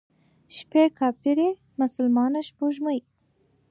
شپې کافرې، مسلمانه سپوږمۍ،